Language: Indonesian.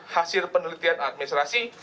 hasil penelitian administrasi